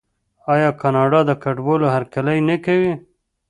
آیا کاناډا د کډوالو هرکلی نه کوي؟